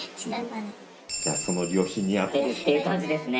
じゃあその旅費に充てるっていう感じですね。